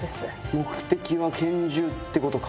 目的は拳銃ってことか。